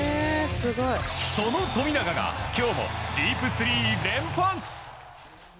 その富永が今日もディープスリー連発！